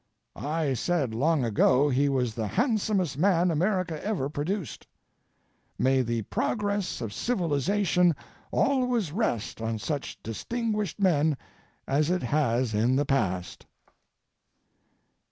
I said long ago he was the handsomest man America ever produced. May the progress of civilization always rest on such distinguished men as it has in the past!